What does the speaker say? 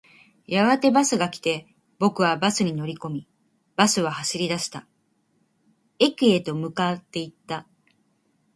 やがてバスが来て、僕はバスに乗り込み、バスは走り出した。駅へと向かっていった。